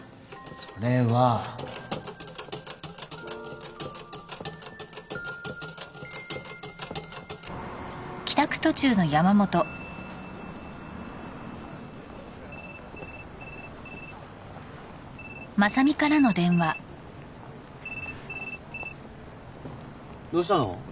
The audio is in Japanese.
それはどうしたの？